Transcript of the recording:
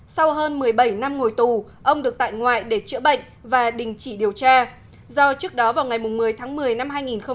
sau hơn một mươi bảy năm ngồi tù ông được tại ngoại để chữa bệnh và đình chỉ điều tra do trước đó vào ngày một mươi tháng một mươi năm hai nghìn một mươi